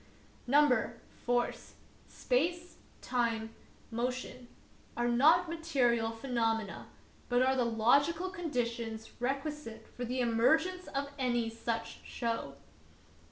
Number, force, space, time, motion, are not material phenomena, but are the logical con ' ditions requisite for the emergence of any such show.